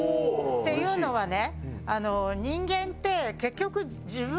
っていうのはね。